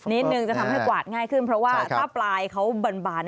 นิดนึงจะทำให้กวาดง่ายขึ้นเพราะว่าถ้าปลายเขาบาน